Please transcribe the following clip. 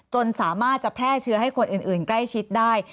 จนสามารถจะแพร่เชื้อให้คนอื่นใกล้ชิดได้